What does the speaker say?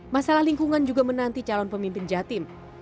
masalah lingkungan juga menanti calon pemimpin jatim